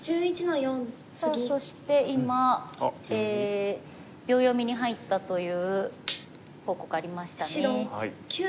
さあそして今秒読みに入ったという報告ありましたね。